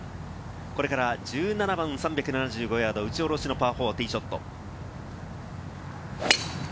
これから１７番、３７５ヤード、打ち下ろしのパー４のティーショット。